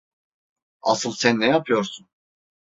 Asıl sen ne yapıyorsun?